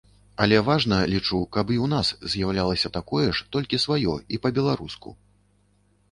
Але важна, лічу, каб і ў нас з'яўлялася такое ж толькі сваё і па-беларуску.